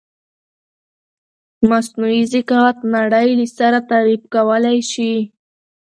مثنوعې زکاوت نړی له سره تعریف کولای شې